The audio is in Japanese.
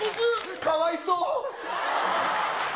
かわいそう。